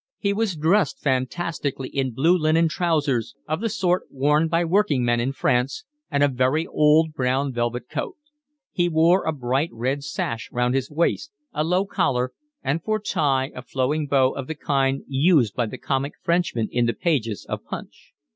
He was dressed fantastically in blue linen trousers of the sort worn by working men in France, and a very old brown velvet coat; he wore a bright red sash round his waist, a low collar, and for tie a flowing bow of the kind used by the comic Frenchman in the pages of Punch.